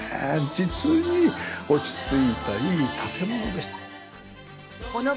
実に落ち着いたいい建物でした。